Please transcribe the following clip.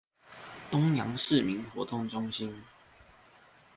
東陽市民活動中心